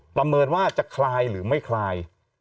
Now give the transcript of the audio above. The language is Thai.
ประเมินว่าจะคลายหรือไม่คลาย